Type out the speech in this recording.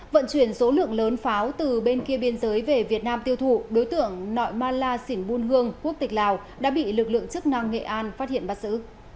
vận chuyển số lượng lớn pháo từ bên kia biên giới về việt nam tiêu thụ đối tượng nội mala sỉnh buôn hương quốc tịch lào đã bị lực lượng chức năng nghệ an phát hiện bắt xử